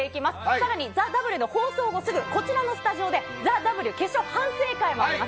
さらにＴＨＥＷの放送後すぐ、こちらのスタジオで、ＴＨＥＷ決勝反省会もあります。